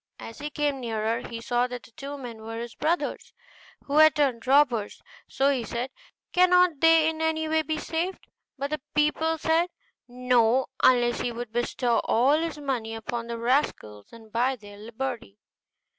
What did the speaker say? As he came nearer, he saw that the two men were his brothers, who had turned robbers; so he said, 'Cannot they in any way be saved?' But the people said 'No,' unless he would bestow all his money upon the rascals and buy their liberty.